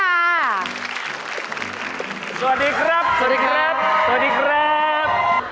สวัสดีครับ